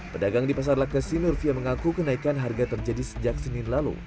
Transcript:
pedagang di pasar lakesi nurvia mengaku kenaikan harga terjadi sejak senin lalu